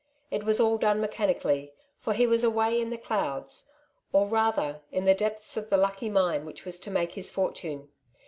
It was all done mechanically, for he was away in the clouds, or rather in the depths of the lucky mine which was to make his fortune.